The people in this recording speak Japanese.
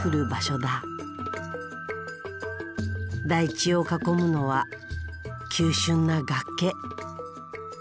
台地を囲むのは急しゅんな崖。